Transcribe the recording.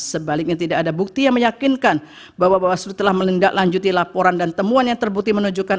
sebaliknya tidak ada bukti yang meyakinkan bahwa bawaslu telah menindaklanjuti laporan dan temuan yang terbukti menunjukkan